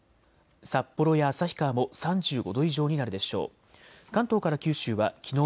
札幌や旭川も３５度以上になるでしょう。